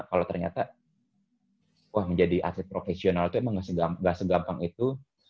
kalau ternyata wah menjadi atlet profesional itu emang gak segampang itu